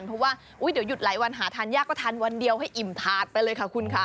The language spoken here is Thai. เพราะว่าเดี๋ยวหยุดหลายวันหาทานยากก็ทานวันเดียวให้อิ่มถาดไปเลยค่ะคุณค่ะ